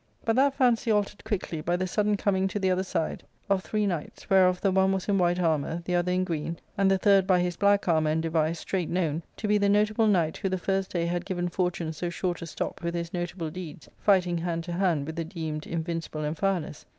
But that fancy altered quickly by the sudden coming to the other side of three knights, whereof the one was in white armour, the other in green, and the third by his black armour and device straight known to be the notable knight who the first day had given fortune so short a stop with his notable deeds, fighting hand to hand with the deemed invincible Amphialus.